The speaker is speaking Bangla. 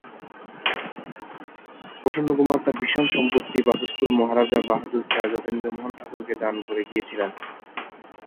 প্রসন্নকুমার তার বিশাল সম্পত্তি ভ্রাতুষ্পুত্র মহারাজা বাহাদুর স্যার যতীন্দ্রমোহন ঠাকুরকে দান করে গিয়েছিলেন।